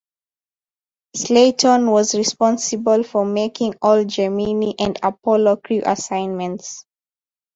Slayton was responsible for making all Gemini and Apollo crew assignments.